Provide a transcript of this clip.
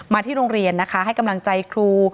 ที่โรงเรียนนะคะให้กำลังใจครู